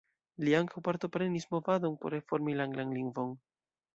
Li ankaŭ partoprenis movadon por reformi la anglan lingvon.